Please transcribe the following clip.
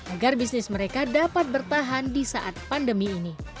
agar bisnis mereka dapat bertahan di saat pandemi ini